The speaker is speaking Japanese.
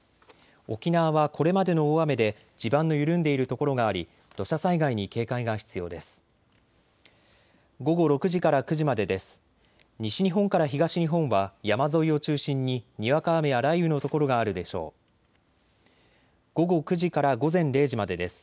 沖縄はこれまでの大雨で地盤の緩んでいるところがあり土砂災害に警戒が必要です。